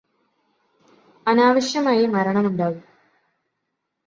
അനാവശ്യമായി മരണം ഉണ്ടാകും.